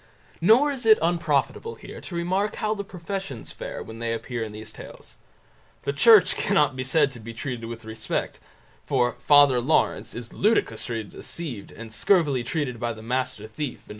Nor is it unprofitable here to remark how the professions fare when they appear in these tales. The Church cannot be said to be treated with respect, for "Father Lawrence" is ludicrously deceived and scurvily treated by the Master Thief, No.